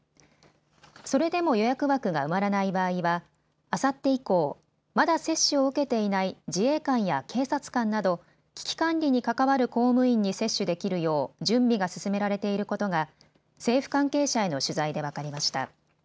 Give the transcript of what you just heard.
それでも予約枠が埋まらない場合はあさって以降、まだ接種を受けていない自衛官や警察官など危機管理に関わる公務員に接種できるよう準備が進められていることが政府関係者への取材で分かりました。